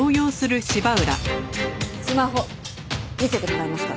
スマホ見せてもらえますか？